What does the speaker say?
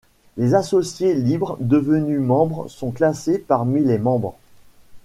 Les associés libres devenus membres sont classés parmi les membres.